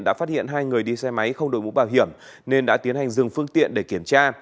đã phát hiện hai người đi xe máy không đổi mũ bảo hiểm nên đã tiến hành dừng phương tiện để kiểm tra